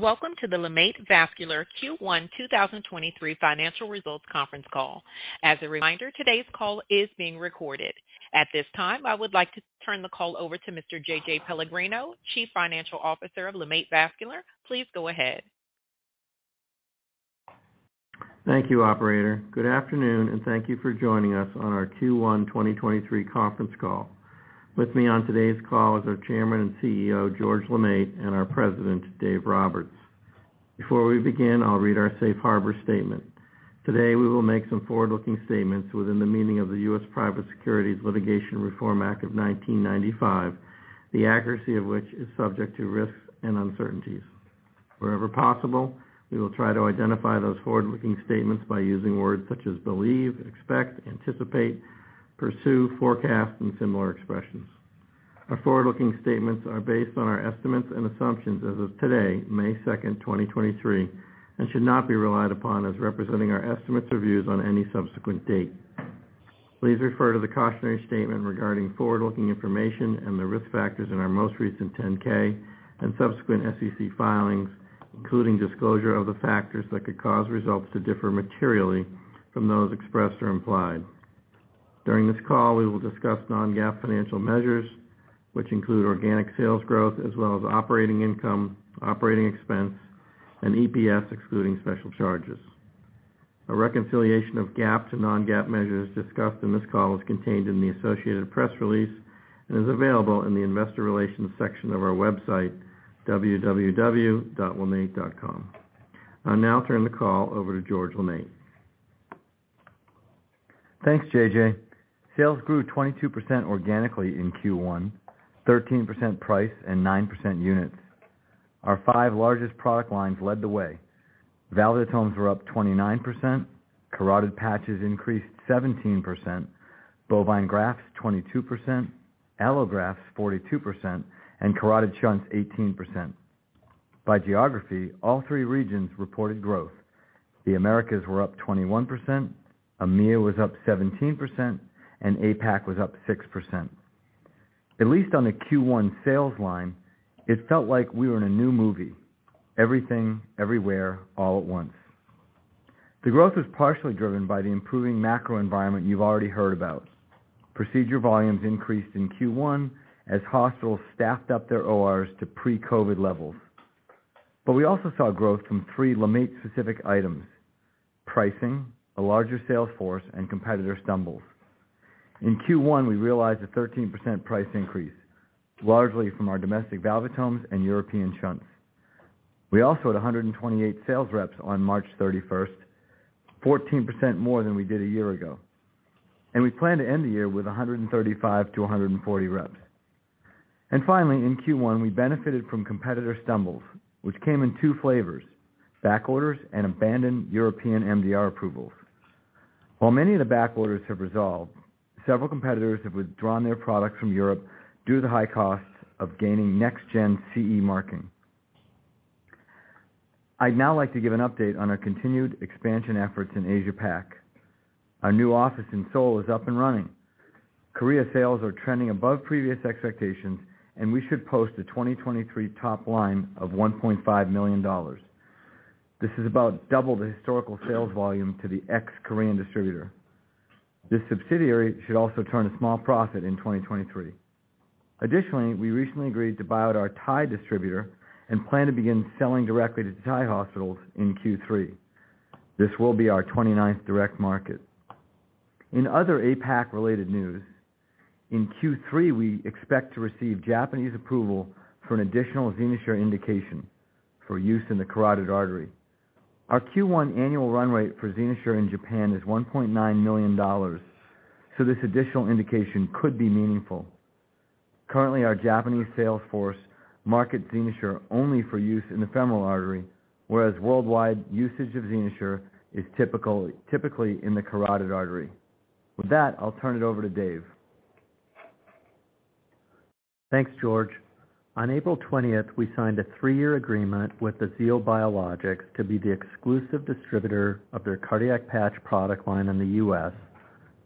Welcome to the LeMaitre Vascular Q1 2023 Financial Results Conference Call. As a reminder, today's call is being recorded. At this time, I would like to turn the call over to Mr. J.J. Pellegrino, Chief Financial Officer of LeMaitre Vascular. Please go ahead. Thank you, operator. Good afternoon. Thank you for joining us on our Q1 2023 conference call. With me on today's call is our Chairman and CEO, George LeMaitre, and our President, Dave Roberts. Before we begin, I'll read our Safe Harbor statement. Today, we will make some forward-looking statements within the meaning of the U.S. Private Securities Litigation Reform Act of 1995, the accuracy of which is subject to risks and uncertainties. Wherever possible, we will try to identify those forward-looking statements by using words such as believe, expect, anticipate, pursue, forecast, and similar expressions. Our forward-looking statements are based on our estimates and assumptions as of today, May second, 2023, and should not be relied upon as representing our estimates or views on any subsequent date. Please refer to the cautionary statement regarding forward-looking information and the risk factors in our most recent 10-K and subsequent SEC filings, including disclosure of the factors that could cause results to differ materially from those expressed or implied. During this call, we will discuss non-GAAP financial measures, which include organic sales growth as well as operating income, operating expense, and EPS, excluding special charges. A reconciliation of GAAP to non-GAAP measures discussed in this call is contained in the associated press release and is available in the investor relations section of our website, www.lemaitre.com. I'll now turn the call over to George LeMaitre. Thanks, J.J. Sales grew 22% organically in Q1, 13% price and 9% units. Our five largest product lines led the way. Valvulotomes were up 29%, carotid patches increased 17%, bovine grafts 22%, allografts 42%, and carotid shunts 18%. By geography, all three regions reported growth. The Americas were up 21%, EMEA was up 17%, and APAC was up 6%. At least on the Q1 sales line, it felt like we were in a new movie, everything, everywhere, all at once. The growth was partially driven by the improving macro environment you've already heard about. Procedure volumes increased in Q1 as hospitals staffed up their ORs to pre-COVID levels. We also saw growth from three LeMaitre-specific items: pricing, a larger sales force, and competitor stumbles. In Q1, we realized a 13% price increase, largely from our domestic valvulotomes and European shunts. We also had 128 sales reps on March 31st, 14% more than we did a year ago. We plan to end the year with 135-140 reps. Finally, in Q1, we benefited from competitor stumbles, which came in two flavors, back orders and abandoned European MDR approvals. While many of the back orders have resolved, several competitors have withdrawn their products from Europe due to the high costs of gaining next-gen CE marking. I'd now like to give an update on our continued expansion efforts in Asia Pac. Our new office in Seoul is up and running. Korea sales are trending above previous expectations, we should post a 2023 top line of $1.5 million. This is about double the historical sales volume to the ex-Korean distributor. This subsidiary should also turn a small profit in 2023. Additionally, we recently agreed to buy out our Thai distributor and plan to begin selling directly to Thai hospitals in Q3. This will be our 29th direct market. In other APAC-related news, in Q3, we expect to receive Japanese approval for an additional XenoSure indication for use in the carotid artery. Our Q1 annual run rate for XenoSure in Japan is $1.9 million, so this additional indication could be meaningful. Currently, our Japanese sales force market XenoSure only for use in the femoral artery, whereas worldwide usage of XenoSure is typically in the carotid artery. With that, I'll turn it over to Dave. Thanks, George. On April 20th, we signed a three-year agreement with the Aziyo Biologics to be the exclusive distributor of their cardiac patch product line in the U.S.,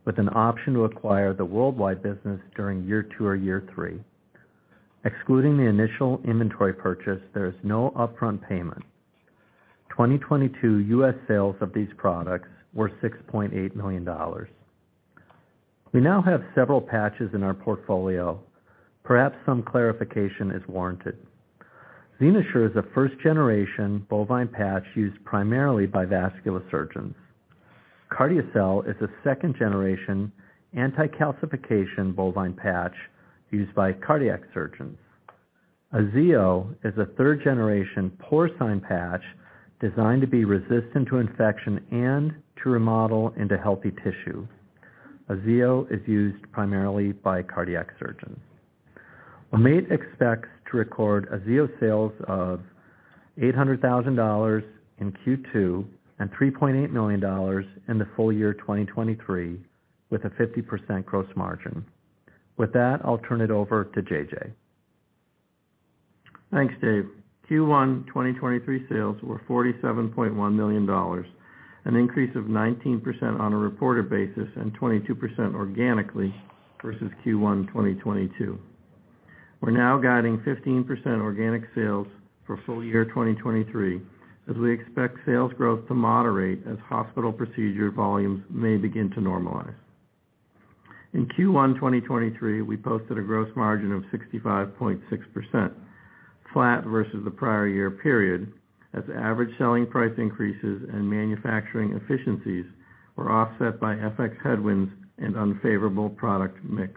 with an option to acquire the worldwide business during year two or year three. Excluding the initial inventory purchase, there is no upfront payment. 2022 U.S. sales of these products were $6.8 million. We now have several patches in our portfolio. Perhaps some clarification is warranted. XenoSure is a first-generation bovine patch used primarily by vascular surgeons. CardioCel is a 2nd generation anti-calcification bovine patch used by cardiac surgeons. Aziyo is a 3rd generation porcine patch designed to be resistant to infection and to remodel into healthy tissue. Aziyo is used primarily by cardiac surgeons. LeMaitre expects to record Aziyo sales of $800,000 in Q2 and $3.8 million in the full year 2023, with a 50% gross margin. With that, I'll turn it over to J.J. Thanks, Dave. Q1 2023 sales were $47.1 million. An increase of 19% on a reported basis and 22% organically versus Q1 2022. We're now guiding 15% organic sales for full year 2023, as we expect sales growth to moderate as hospital procedure volumes may begin to normalize. In Q1 2023, we posted a gross margin of 65.6%, flat versus the prior year period, as average selling price increases and manufacturing efficiencies were offset by FX headwinds and unfavorable product mix.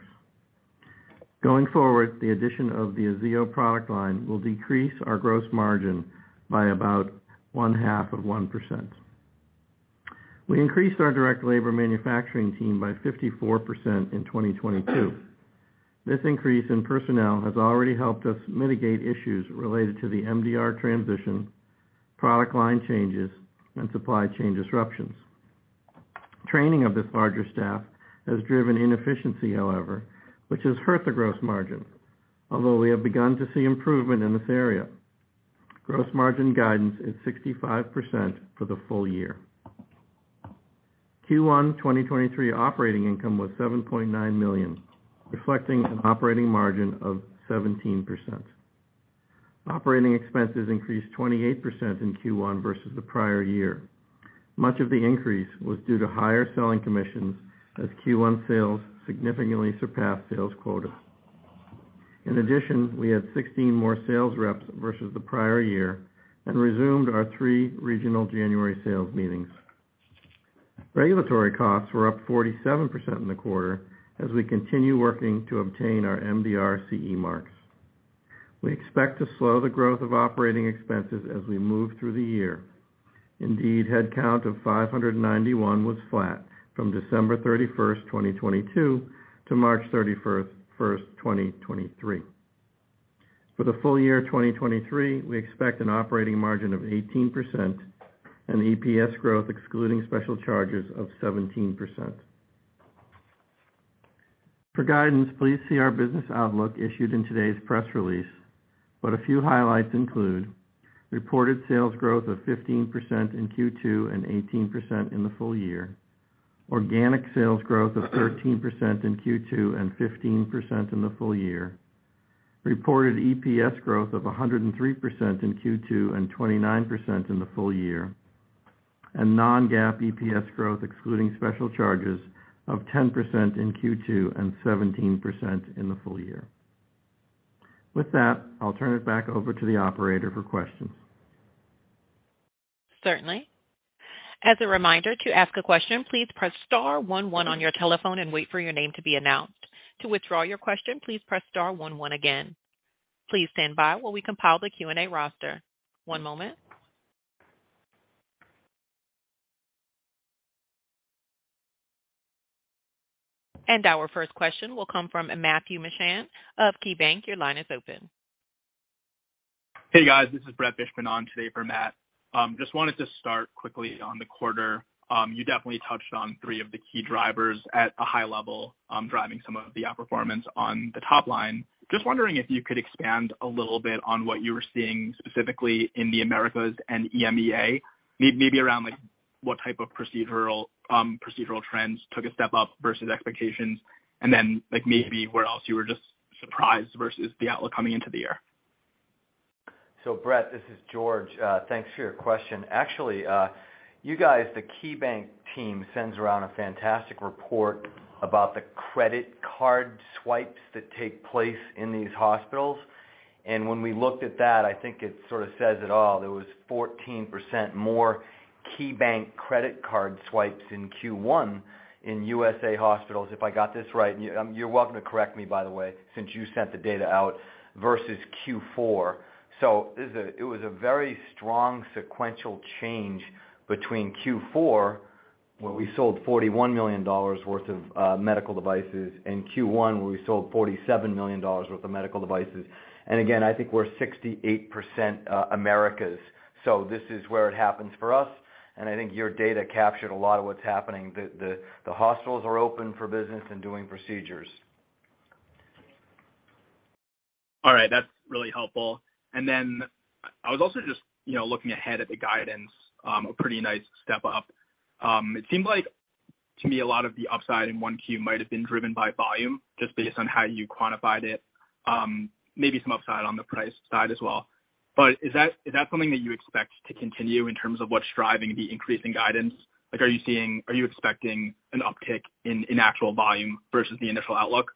Going forward, the addition of the Aziyo product line will decrease our gross margin by about one half of 1%. We increased our direct labor manufacturing team by 54% in 2022. This increase in personnel has already helped us mitigate issues related to the MDR transition, product line changes, and supply chain disruptions. Training of this larger staff has driven inefficiency, however, which has hurt the gross margin. We have begun to see improvement in this area. Gross margin guidance is 65% for the full year. Q1 2023 operating income was $7.9 million, reflecting an operating margin of 17%. Operating expenses increased 28% in Q1 versus the prior year. Much of the increase was due to higher selling commissions as Q1 sales significantly surpassed sales quota. In addition, we had 16 more sales reps versus the prior year and resumed our three regional January sales meetings. Regulatory costs were up 47% in the quarter as we continue working to obtain our MDR CE marks. We expect to slow the growth of operating expenses as we move through the year. Indeed, headcount of 591 was flat from December 31, 2022 to March 31, 2023. For the full year 2023, we expect an operating margin of 18% and EPS growth excluding special charges of 17%. For guidance, please see our business outlook issued in today's press release. A few highlights include reported sales growth of 15% in Q2 and 18% in the full year. Organic sales growth of 13% in Q2 and 15% in the full year. Reported EPS growth of 103% in Q2 and 29% in the full year. Non-GAAP EPS growth excluding special charges of 10% in Q2 and 17% in the full year. With that, I'll turn it back over to the operator for questions. Certainly. As a reminder, to ask a question, please press star one one on your telephone and wait for your name to be announced. To withdraw your question, please press star one one again. Please stand by while we compile the Q&A roster. One moment. Our first question will come from Matthew Mishan of KeyBanc. Your line is open. Hey, guys, this is Brett Fishbin today for Matthew Mishan. Just wanted to start quickly on the quarter. You definitely touched on three of the key drivers at a high level, driving some of the outperformance on the top line. Just wondering if you could expand a little bit on what you were seeing specifically in the Americas and EMEA, maybe around like what type of procedural trends took a step up versus expectations, and then, like, maybe where else you were just surprised versus the outlook coming into the year. Brett, this is George. thanks for your question. Actually, you guys, the KeyBanc team, sends around a fantastic report about the credit card swipes that take place in these hospitals. When we looked at that, I think it sort of says it all. There was 14% more KeyBanc credit card swipes in Q1 in USA hospitals, if I got this right, and you're welcome to correct me by the way, since you sent the data out, versus Q4. It was a very strong sequential change between Q4, where we sold $41 million worth of medical devices, and Q1, where we sold $47 million worth of medical devices. Again, I think we're 68% Americas. This is where it happens for us, and I think your data captured a lot of what's happening. The hospitals are open for business and doing procedures. All right. That's really helpful. Then I was also just, you know, looking ahead at the guidance, a pretty nice step up. It seemed like to me a lot of the upside in 1Q might have been driven by volume just based on how you quantified it, maybe some upside on the price side as well. Is that something that you expect to continue in terms of what's driving the increase in guidance? Like, are you expecting an uptick in actual volume versus the initial outlook?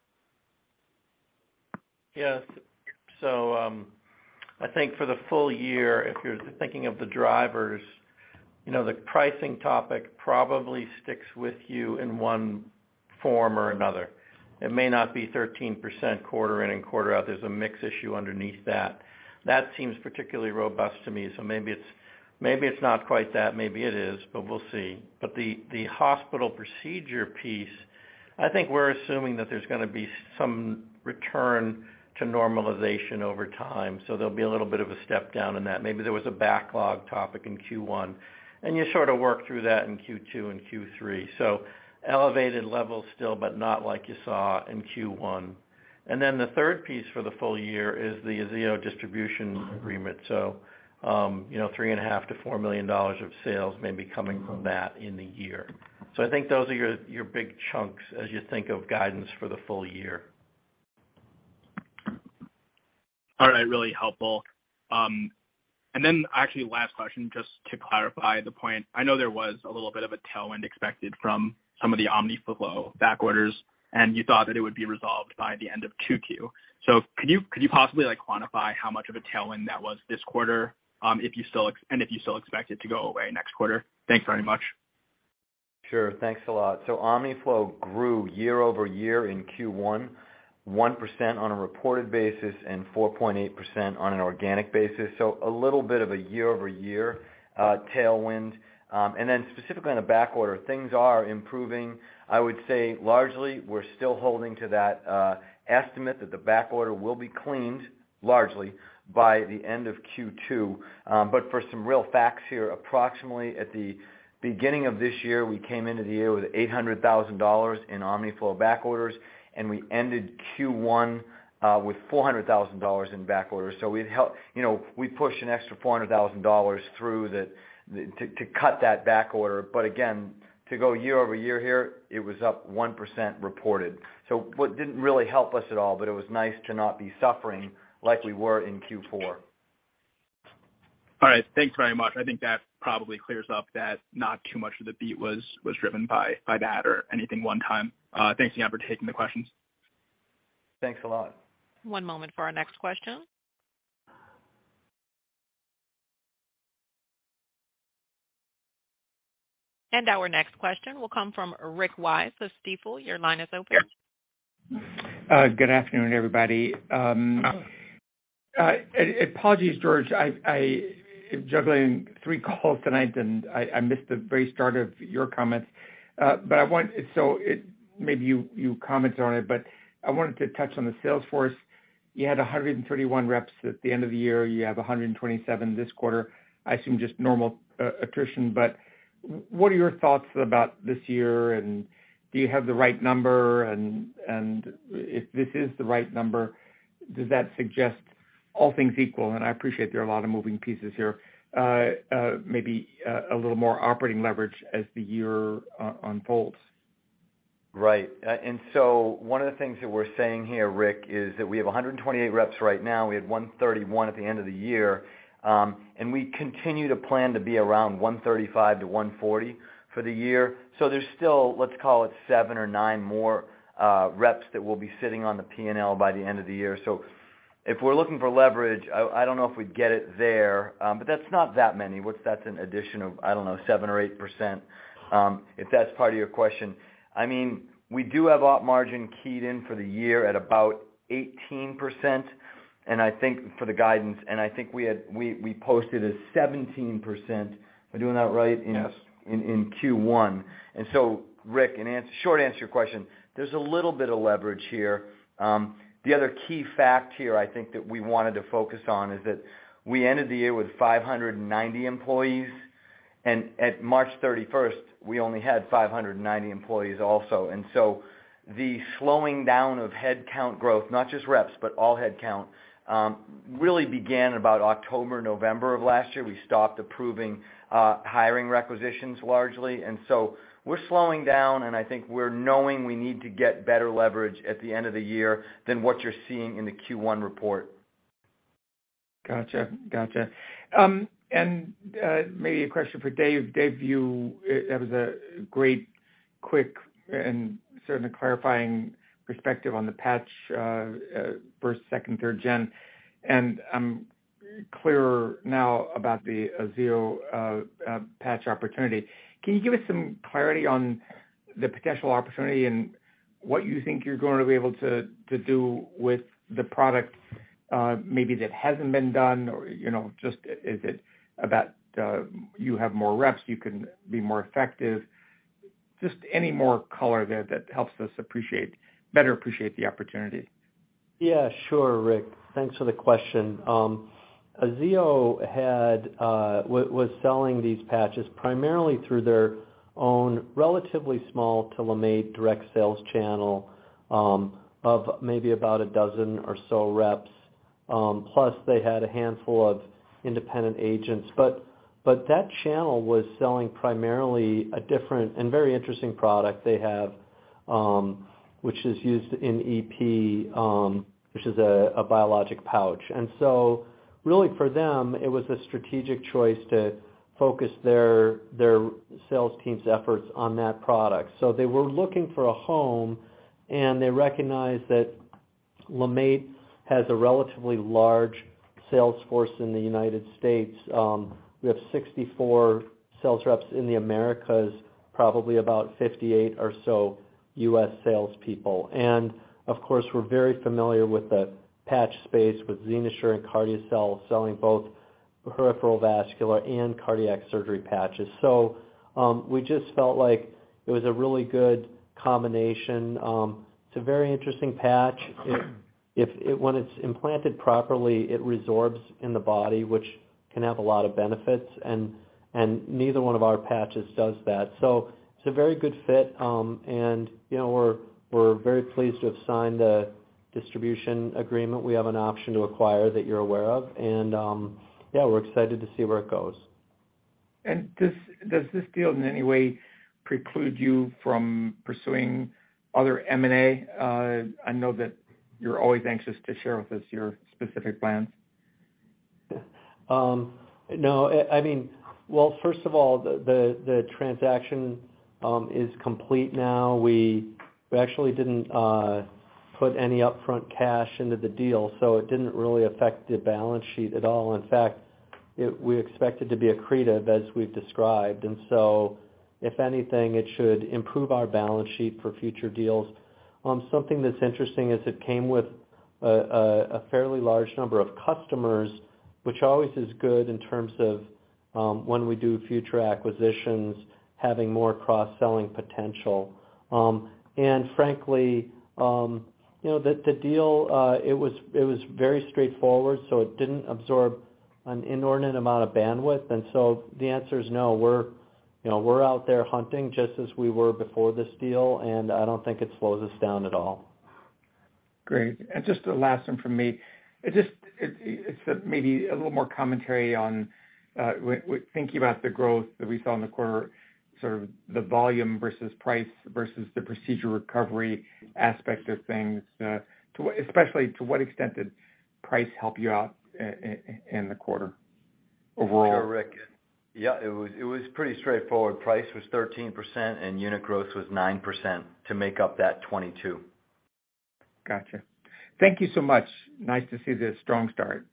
Yes. I think for the full year, if you're thinking of the drivers, you know, the pricing topic probably sticks with you in one form or another. It may not be 13% quarter in and quarter out. There's a mix issue underneath that. That seems particularly robust to me. Maybe it's not quite that, maybe it is, but we'll see. The hospital procedure piece, I think we're assuming that there's gonna be some return to normalization over time. There'll be a little bit of a step down in that. Maybe there was a backlog topic in Q1, and you sort of work through that in Q2 and Q3. So elevated levels still, but not like you saw in Q1. The third piece for the full year is the Aziyo distribution agreement. You know, $3.5 million-$4 million of sales may be coming from that in the year. I think those are your big chunks as you think of guidance for the full year. All right. Really helpful. Actually last question, just to clarify the point. I know there was a little bit of a tailwind expected from some of the Omniflow back orders, and you thought that it would be resolved by the end of 2Q. Could you possibly, like, quantify how much of a tailwind that was this quarter, if you still expect it to go away next quarter? Thanks very much. Sure. Thanks a lot. Omniflow grew year-over-year in Q1, 1% on a reported basis and 4.8% on an organic basis. A little bit of a year-over-year tailwind. Specifically on the back order, things are improving. I would say largely we're still holding to that estimate that the back order will be cleaned largely by the end of Q2. For some real facts here, approximately at the beginning of this year, we came into the year with $800,000 in Omniflow back orders, and we ended Q1 with $400,000 in back orders. We pushed an extra $400,000 through the to cut that back order. Again, to go year-over-year here, it was up 1% reported. What didn't really help us at all, but it was nice to not be suffering like we were in Q4. All right. Thanks very much. I think that probably clears up that not too much of the beat was driven by that or anything one time. Thanks again for taking the questions. Thanks a lot. One moment for our next question. Our next question will come from Rick Wise of Stifel. Your line is open. Good afternoon, everybody. Apologies, George, I am juggling three calls tonight, and I missed the very start of your comments. Maybe you commented on it, but I wanted to touch on the sales force. You had 131 reps at the end of the year. You have 127 this quarter. I assume just normal attrition. What are your thoughts about this year, and do you have the right number? If this is the right number, does that suggest all things equal, and I appreciate there are a lot of moving pieces here, maybe a little more operating leverage as the year unfolds? Right. One of the things that we're saying here, Rick, is that we have 128 reps right now. We had 131 at the end of the year. We continue to plan to be around 135-140 for the year. There's still, let's call it seven or nine more, reps that will be sitting on the P&L by the end of the year. If we're looking for leverage, I don't know if we'd get it there, but that's not that many. What's that's an addition of, I don't know, 7% or 8%, if that's part of your question. I mean, we do have op margin keyed in for the year at about 18%, and I think for the guidance, and I think we posted a 17%. Am I doing that right? Yes. In Q1. Rick, in short answer to your question, there's a little bit of leverage here. The other key fact here I think that we wanted to focus on is that we ended the year with 590 employees, and at March 31st, we only had 590 employees also. The slowing down of headcount growth, not just reps, but all headcount, really began about October, November of last year. We stopped approving hiring requisitions largely. We're slowing down, and I think we're knowing we need to get better leverage at the end of the year than what you're seeing in the Q1 report. Gotcha. Gotcha. Maybe a question for Dave. Dave, that was a great quick and certainly clarifying perspective on the patch, first, second, 3rd-gen, and I'm clearer now about the Aziyo patch opportunity. Can you give us some clarity on the potential opportunity and what you think you're going to be able to do with the product, maybe that hasn't been done or, you know, just is it about, you have more reps, you can be more effective? Just any more color there that helps us appreciate, better appreciate the opportunity. Yeah, sure, Rick. Thanks for the question. Aziyo had was selling these patches primarily through their own relatively small to LeMaitre direct sales channel, of maybe about 12 or so reps. Plus they had a handful of independent agents. That channel was selling primarily a different and very interesting product they have, which is used in EP, which is a biologic pouch. Really for them, it was a strategic choice to focus their sales team's efforts on that product. They were looking for a home, and they recognized that LeMaitre has a relatively large sales force in the U.S. We have 64 sales reps in the Americas, probably about 58 or so U.S. sales people. We're very familiar with the patch space with XenoSure and CardioCel selling both peripheral vascular and cardiac surgery patches. We just felt like it was a really good combination. It's a very interesting patch. It, if, when it's implanted properly, it resorbs in the body, which can have a lot of benefits, and neither one of our patches does that. It's a very good fit. You know, we're very pleased to have signed the distribution agreement. We have an option to acquire that you're aware of. We're excited to see where it goes. Does this deal in any way preclude you from pursuing other M&A? I know that you're always anxious to share with us your specific plans. No. I mean, well, first of all, the transaction is complete now. We actually didn't put any upfront cash into the deal, so it didn't really affect the balance sheet at all. In fact, we expect it to be accretive, as we've described. If anything, it should improve our balance sheet for future deals. Something that's interesting is it came with a fairly large number of customers, which always is good in terms of when we do future acquisitions, having more cross-selling potential. Frankly, you know, the deal, it was very straightforward, so it didn't absorb an inordinate amount of bandwidth. The answer is no. We're, you know, we're out there hunting just as we were before this deal. I don't think it slows us down at all. Great. Just a last one from me. It's maybe a little more commentary on thinking about the growth that we saw in the quarter, sort of the volume versus price versus the procedure recovery aspect of things. To what extent did price help you out in the quarter overall? Sure, Rick. Yeah, it was, it was pretty straightforward. Price was 13% and unit growth was 9% to make up that 22%. Gotcha. Thank you so much. Nice to see the strong start.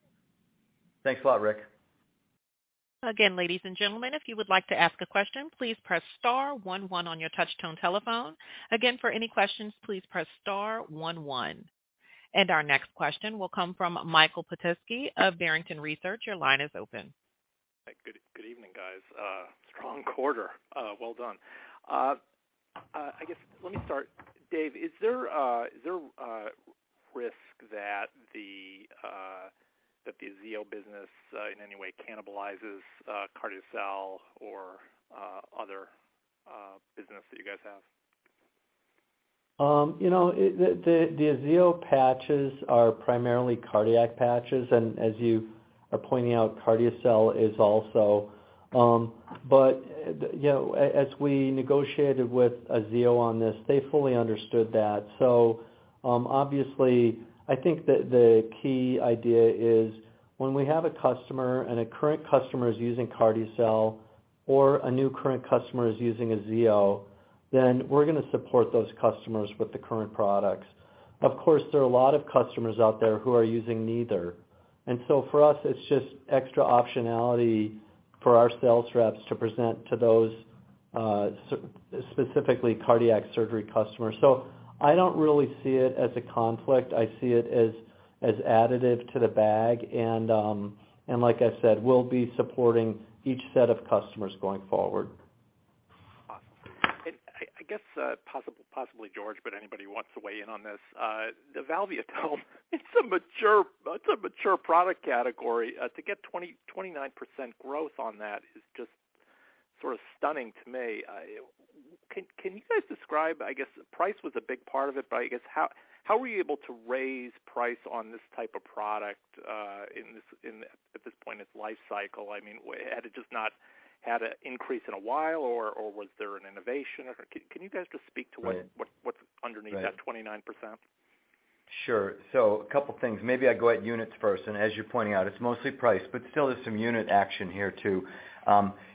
Thanks a lot, Rick. Again, ladies and gentlemen, if you would like to ask a question, please press star one one on your touchtone telephone. Again, for any questions, please press star one one. Our next question will come from Michael Petusky of Barrington Research. Your line is open. Hi. Good evening, guys. Strong quarter. Well done. I guess let me start. Dave, is there a risk that the Aziyo business in any way cannibalizes CardioCel or other business that you guys have? You know, the Aziyo patches are primarily cardiac patches, and as you are pointing out, CardioCel is also. You know, as we negotiated with Aziyo on this, they fully understood that. Obviously, I think that the key idea is when we have a customer and a current customer is using CardioCel or a new current customer is using Aziyo, then we're gonna support those customers with the current products. Of course, there are a lot of customers out there who are using neither. For us, it's just extra optionality for our sales reps to present to those specifically cardiac surgery customers. I don't really see it as a conflict. I see it as additive to the bag and like I said, we'll be supporting each set of customers going forward. Awesome. I guess, possibly George, but anybody who wants to weigh in on this. The valvulotome, it's a mature product category. To get 29% growth on that is just sort of stunning to me. Can you guys describe? I guess price was a big part of it, but I guess how were you able to raise price on this type of product in this, in, at this point in its lifecycle? I mean, had it just not had a increase in a while or was there an innovation? Can you guys just speak to what's underneath that 29%? Sure. A couple things. Maybe I go at units first, and as you're pointing out, it's mostly price, but still there's some unit action here too.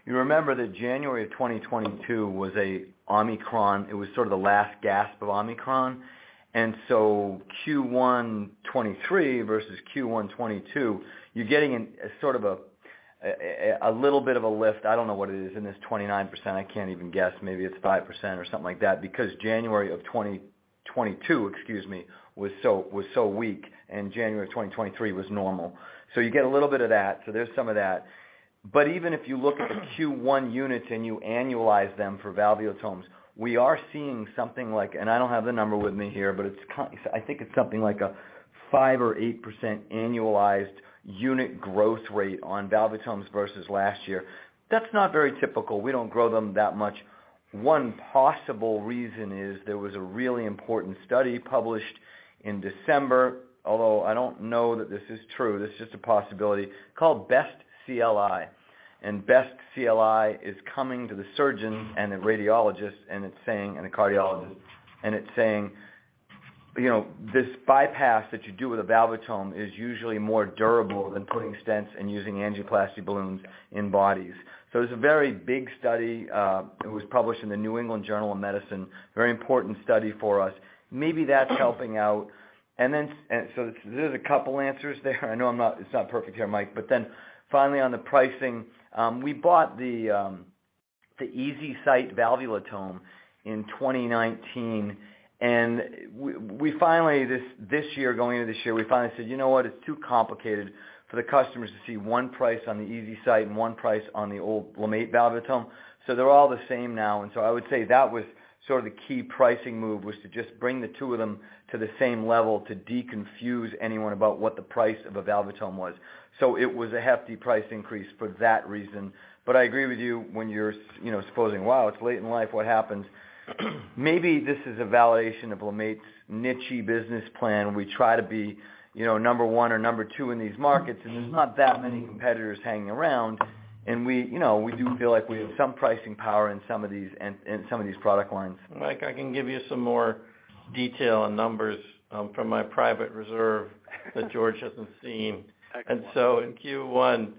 You remember that January 2022 was a Omicron. It was sort of the last gasp of Omicron. Q1 2023 versus Q1 2022, you're getting a little bit of a lift. I don't know what it is in this 29%. I can't even guess. Maybe it's 5% or something like that because January of 2022, excuse me, was so weak and January of 2023 was normal. You get a little bit of that. There's some of that. Even if you look at the Q1 units and you annualize them for valvulotomes, we are seeing something like, I don't have the number with me here, but I think it's something like a 5% or 8% annualized unit growth rate on valvulotomes versus last year. That's not very typical. We don't grow them that much. One possible reason is there was a really important study published in December, although I don't know that this is true, this is just a possibility, called BEST-CLI. BEST-CLI is coming to the surgeon and the radiologist and it's saying, and the cardiologist, and it's saying, you know, this bypass that you do with a valvulotome is usually more durable than putting stents and using angioplasty balloons in bodies. It's a very big study. It was published in The New England Journal of Medicine. Very important study for us. Maybe that's helping out. There's a couple answers there. I know it's not perfect here, Mike. Finally on the pricing, we bought the Eze-Sit valvulotome in 2019, and we finally, this year, going into this year, we finally said, you know what? It's too complicated for the customers to see one price on the Eze-Sit and one price on the old LeMaitre valvulotome. They're all the same now. I would say that was sort of the key pricing move, was to just bring the two of them to the same level to deconfuse anyone about what the price of a valvulotome was. It was a hefty price increase for that reason. I agree with you when you're you know, supposing, wow, it's late in life, what happens? Maybe this is a validation of LeMaitre's niche-y business plan. We try to be, you know, number one or number two in these markets, and there's not that many competitors hanging around. We, you know, we do feel like we have some pricing power in some of these product lines. Mike, I can give you some more. Detail on numbers from my private reserve that George hasn't seen. In Q1,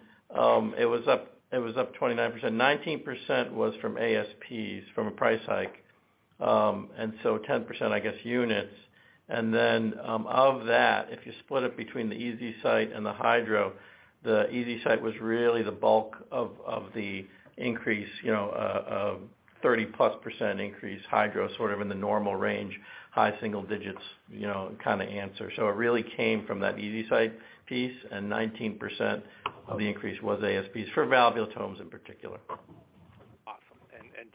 it was up 29%. 19% was from ASPs, from a price hike. 10%, I guess, units. Of that, if you split it between the Eze-Sit and the HYDRO, the Eze-Sit was really the bulk of the increase, you know, a 30%+ increase. HYDRO sort of in the normal range, high single digits, you know, kind of answer. It really came from that Eze-Sit piece, and 19% of the increase was ASPs for valvulotomes in particular. Awesome.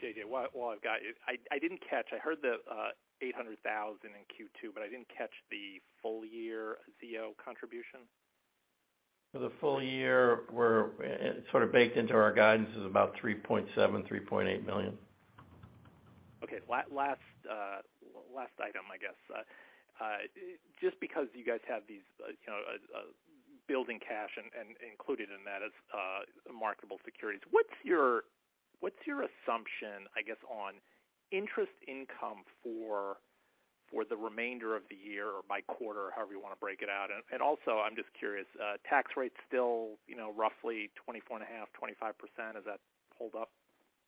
J.J., while I've got you, I didn't catch. I heard the $800,000 in Q2, but I didn't catch the full year CO contribution. For the full year, sort of baked into our guidance is about $3.7 million-$3.8 million. Okay. Last item, I guess. Just because you guys have these, you know, building cash and included in that is marketable securities. What's your assumption, I guess, on interest income for the remainder of the year or by quarter, or however you wanna break it out? Also, I'm just curious, tax rate's still, you know, roughly 24.5%-25%. Has that hold up?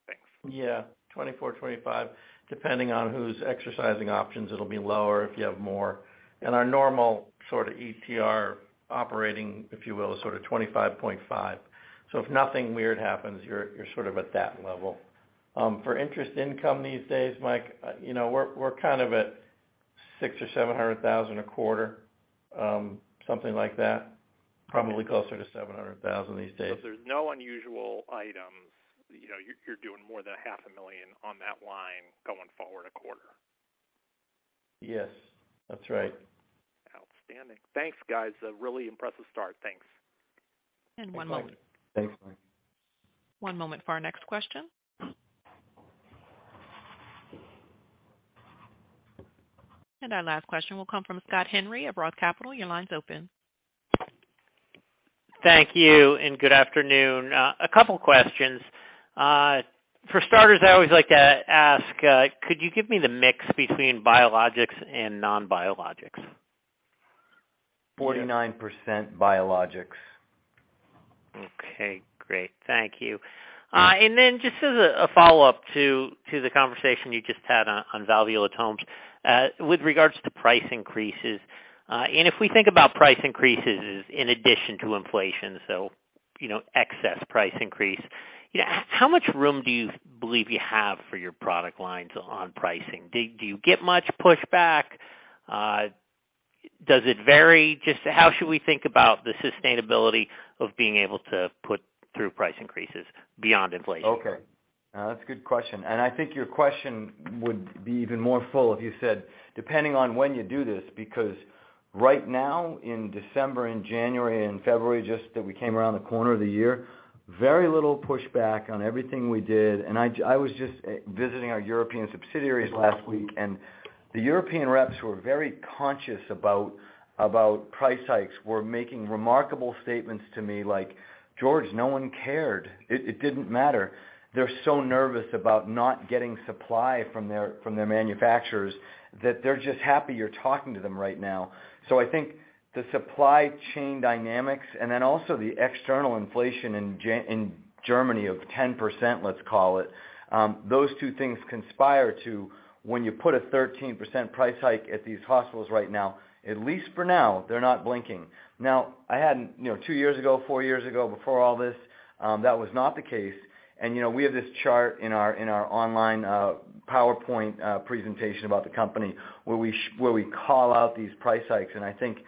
Thanks. Yeah. 24%-25%, depending on who's exercising options, it'll be lower if you have more. Our normal sort of ETR operating, if you will, is sort of 25.5%. If nothing weird happens, you're sort of at that level. For interest income these days, Mike, you know, we're kind of at $600,000 or $700,000 a quarter, something like that. Probably closer to $700,000 these days. There's no unusual items. You know, you're doing more than a $0.5 million on that line going forward a quarter. Yes, that's right. Outstanding. Thanks, guys. A really impressive start. Thanks. One moment. Thanks, Mike. One moment for our next question. Our last question will come from Scott Henry at Roth Capital. Your line's open. Thank you. Good afternoon. A couple questions. For starters, I always like to ask, could you give me the mix between biologics and non-biologics? 49% biologics. Okay, great. Thank you. Just as a follow-up to the conversation you just had on valvulotomes. With regards to price increases, if we think about price increases in addition to inflation, so you know, excess price increase, how much room do you believe you have for your product lines on pricing? Do you get much pushback? Does it vary? Just how should we think about the sustainability of being able to put through price increases beyond inflation? Okay. No, that's a good question, and I think your question would be even more full if you said depending on when you do this because right now, in December and January and February, just that we came around the corner of the year, very little pushback on everything we did. I was just visiting our European subsidiaries last week, and the European reps who are very conscious about price hikes were making remarkable statements to me like, George, no one cared. It didn't matter. They're so nervous about not getting supply from their manufacturers that they're just happy you're talking to them right now. I think the supply chain dynamics and then also the external inflation in Germany of 10%, let's call it. Those two things conspire to when you put a 13% price hike at these hospitals right now, at least for now, they're not blinking. You know, two years ago, four years ago, before all this, that was not the case. You know, we have this chart in our, in our online PowerPoint presentation about the company where we call out these price hikes, and I think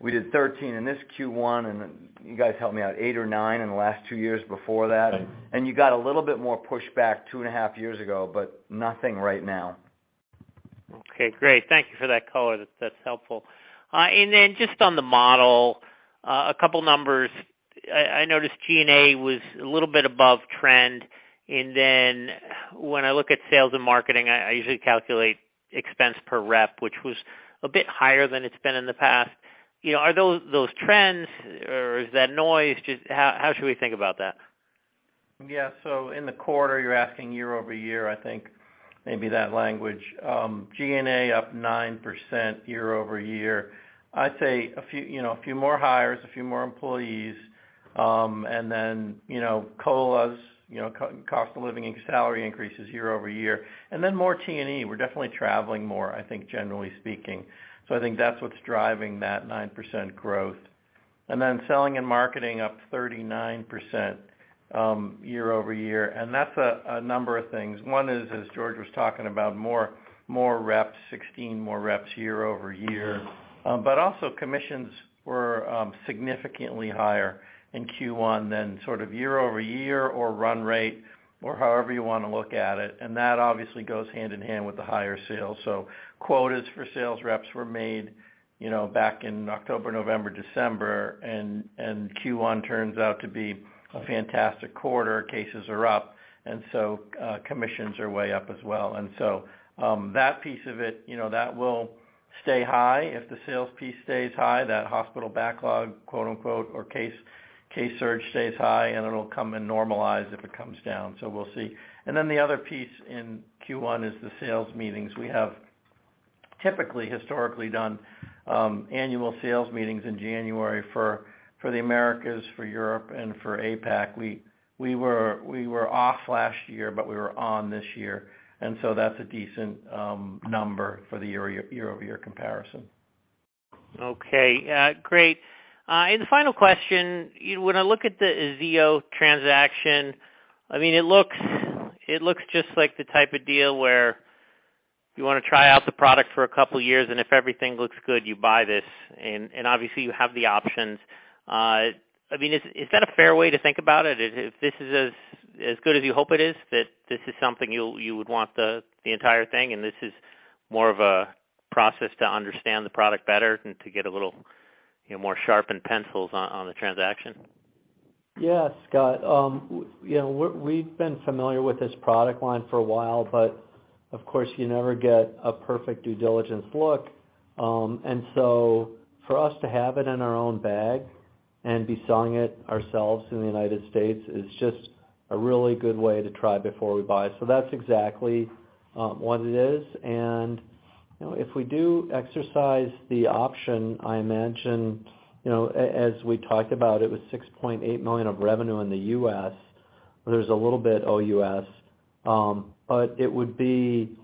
we did 13 in this Q1, and you guys help me out, 8% or 9% in the last two years before that. You got a little bit more pushback two and a half years ago, but nothing right now. Okay, great. Thank you for that color. That's helpful. Just on the model, a couple numbers. I noticed G&A was a little bit above trend. When I look at sales and marketing, I usually calculate expense per rep, which was a bit higher than it's been in the past. You know, are those trends, or is that noise? Just how should we think about that? In the quarter, you're asking year-over-year, I think, maybe that language. G&A up 9% year-over-year. I'd say a few more hires, a few more employees, and then COLAs, cost of living salary increases year-over-year, and then more T&E. We're definitely traveling more, I think, generally speaking. I think that's what's driving that 9% growth. Selling and marketing up 39% year-over-year. That's a number of things. One is, as George was talking about, more reps, 16 more reps year-over-year. But also commissions were significantly higher in Q1 than sort of year-over-year or run rate or however you wanna look at it, and that obviously goes hand in hand with the higher sales. Quotas for sales reps were made, you know, back in October, November, December, and Q1 turns out to be a fantastic quarter. Cases are up, commissions are way up as well. That piece of it, you know, that will stay high. If the sales piece stays high, that hospital backlog, quote-unquote, or case search stays high and it'll come and normalize if it comes down. We'll see. The other piece in Q1 is the sales meetings. We have typically historically done annual sales meetings in January for the Americas, for Europe, and for APAC. We were off last year, but we were on this year, and so that's a decent number for the year-over-year comparison. Okay. great. The final question, when I look at the Aziyo transaction, I mean, it looks just like the type of deal where you wanna try out the product for a couple years, and if everything looks good, you buy this. Obviously, you have the options. I mean, is that a fair way to think about it? If this is as good as you hope it is, that this is something you would want the entire thing, and this is more of a process to understand the product better and to get a little, you know, more sharpened pencils on the transaction. Yeah, Scott. you know, we've been familiar with this product line for a while, but of course, you never get a perfect due diligence look. And for us to have it in our own bag and be selling it ourselves in the United States is just a really good way to try before we buy. That's exactly what it is. you know, if we do exercise the option, I imagine, you know, as we talked about, it was $6.8 million of revenue in the U.S. There's a little bit OUS, it would be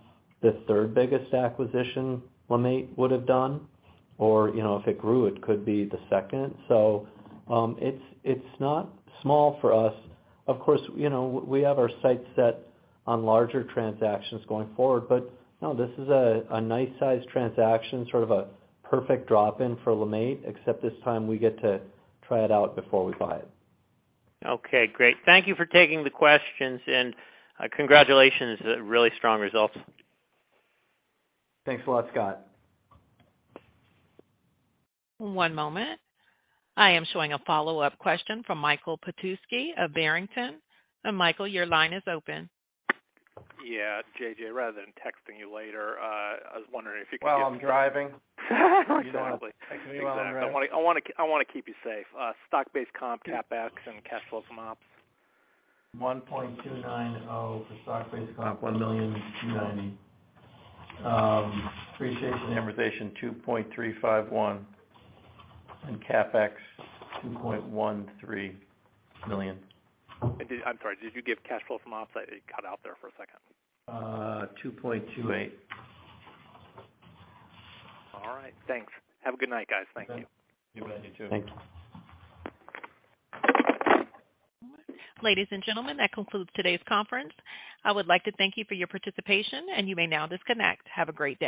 the third biggest acquisition LeMaitre would have done, or, you know, if it grew, it could be the second. it's not small for us. Of course, you know, we have our sights set on larger transactions going forward. No, this is a nice size transaction, sort of a perfect drop-in for LeMaitre, except this time we get to try it out before we buy it. Okay, great. Thank you for taking the questions. Congratulations. Really strong results. Thanks a lot, Scott. One moment. I am showing a follow-up question from Michael Petusky of Barrington. Michael, your line is open. Yeah, J.J., rather than texting you later, I was wondering if you could. Well, I'm driving. Exactly. Exactly. I wanna keep you safe. stock-based comp, CapEx, and cash flows from ops. $1.290 million for stock-based comp, $1.09 million. Appreciation and amortization, $2.351 million. CapEx, $2.13 million. I'm sorry, did you give cash flow from ops? It cut out there for a second. Uh, $2.28 million. All right. Thanks. Have a good night, guys. Thank you. You bet. You too. Thank you. Ladies and gentlemen, that concludes today's conference. I would like to thank you for your participation, and you may now disconnect. Have a great day.